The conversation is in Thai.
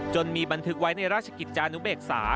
มีบันทึกไว้ในราชกิจจานุเบกษา